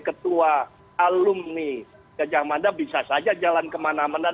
ketua dpp pdi perjuangan